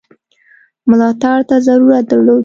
ملاتړ ته ضرورت درلود.